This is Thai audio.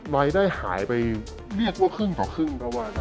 ไว้ได้หายไปเรียกว่าครึ่งต่อครึ่ง